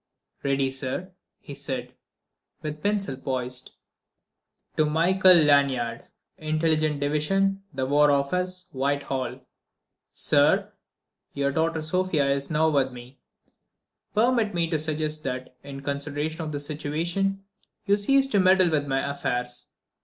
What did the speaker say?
"Ready, sir," he said, with pencil poised. _"To Michael Lanyard, Intelligence Division, the War Office, Whitehall. Sir: Your daughter Sofia is now with me. Permit me to suggest that, in consideration of this situation, you cease to meddle with my affairs.